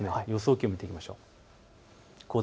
気温を見ていきましょう。